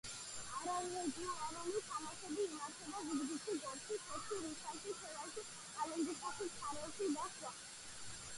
არარეგულარული თამაშები იმართება ზუგდიდში, გორში, ფოთში, რუსთავში, თელავში, წალენჯიხაში, ქარელში და სხვა.